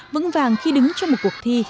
vững vàng khi đứng trong một cuộc thi